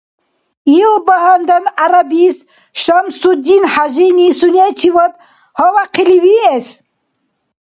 Илбагьандан гӀярабист ШамсудинхӀяжини сунечивад гьавяхъили виэс?